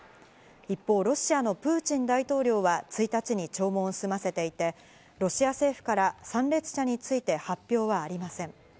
一方、ロシアのプーチン大統領は１日に弔問を済ませていて、ロシア政府から参列者について発表はありません。